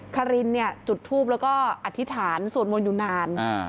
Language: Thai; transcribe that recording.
คารินเนี่ยจุดทูปแล้วก็อธิษฐานสวดมนต์อยู่นาน